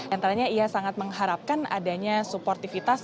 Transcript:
antaranya ia sangat mengharapkan adanya supportivitas